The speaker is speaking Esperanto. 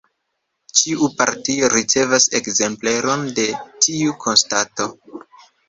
Ĉiu partio ricevas ekzempleron de tiu konstato.